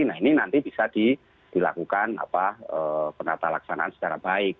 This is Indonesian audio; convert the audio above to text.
nah ini nanti bisa dilakukan penata laksanaan secara baik